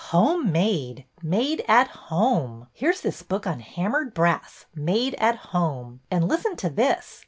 Home made ! Made at Home ! Here 's this book on Hammered Brass Made at Home! And listen to this.